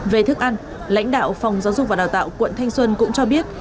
về thức ăn lãnh đạo phòng giáo dục và đào tạo quận thanh xuân cũng cho biết